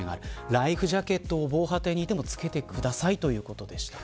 ライフジャケットを防波堤にいても着けてくださいということでした。